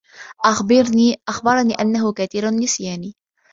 أخبرني أنّه كثير النّسيان.